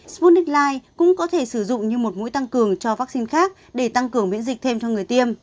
sputnik li cũng có thể sử dụng như một mũi tăng cường cho vaccine khác để tăng cường miễn dịch thêm cho người tiêm